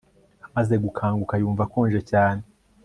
Amaze gukanguka yumva akonje cyane